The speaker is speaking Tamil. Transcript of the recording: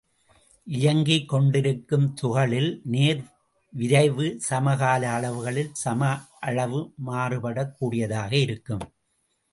இயங்கிக் கொண்டிருக்கும் துகளில் நேர் விரைவு சமகால அளவுகளில் சம அளவு மாறுபடக் கூடியதாக இருக்கும்.